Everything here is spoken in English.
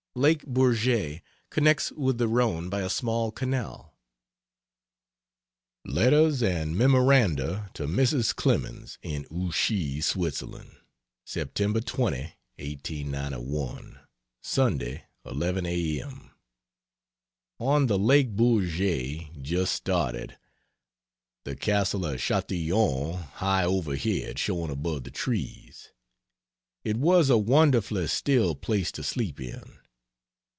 Lake Bourget connects with the Rhone by a small canal. Letters and Memoranda to Mrs. Clemens, in Ouchy, Switzerland: Sept. 20, 1891. Sunday, 11 a.m. On the lake Bourget just started. The castle of Chatillon high overhead showing above the trees. It was a wonderfully still place to sleep in.